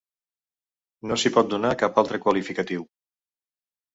No s’hi pot donar cap altre qualificatiu.